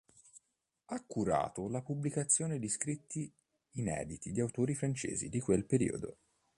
Ha curato la pubblicazione di scritti inediti di autori francesi di quel periodo.